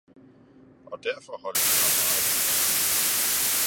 Og derfor holdt vi så meget af Tante.